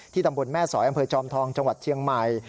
ตำบลแม่สอยอำเภอจอมทองจังหวัดเชียงใหม่